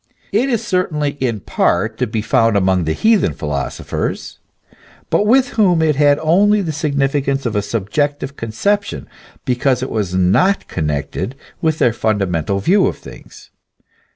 It is certainly in part to be found among the heathen philosophers ; but with them it had only the significance of a subjective conception, because it was not connected with their fundamental view of things.